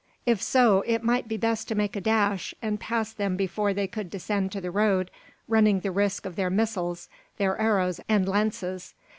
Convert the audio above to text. If so, it might be best to make a dash, and pass them before they could descend to the road, running the risk of their missiles, their arrows and lances.